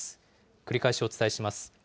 繰り返しお伝えします。